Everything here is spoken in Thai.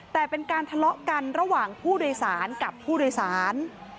แต่เป็นการทะเลาะกันระหว่างผู้โดยสารกับผู้โดยสาร